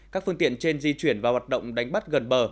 các phương tiện trên di chuyển và hoạt động đánh bắt gần bờ